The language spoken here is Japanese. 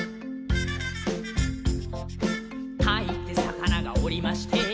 「タイってさかながおりまして」